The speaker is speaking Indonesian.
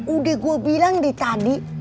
udah gue bilang di tadi